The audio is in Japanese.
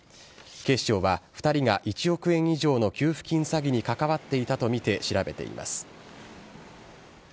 警視庁は２人が１億円以上の給付金詐欺に関わっていたとみて調べています。